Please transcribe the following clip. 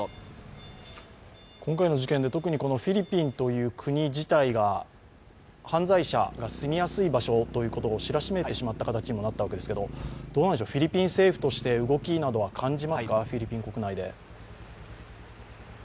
今回の事件で、特にフィリピンという国自体が犯罪者が住みやすい場所ということを知らしめてしまった形にもなったわけですけどフィリピン政府として動きなどは感じますか、フィリピン国内で。